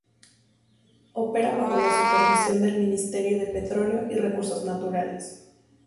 Opera bajo la supervisión del Ministerio de Petróleo y Recursos Naturales.